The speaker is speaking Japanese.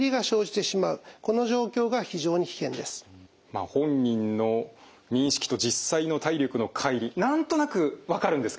まあ本人の認識と実際の体力のかい離何となく分かるんですけども。